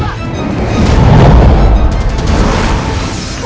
lima nya mereka berdua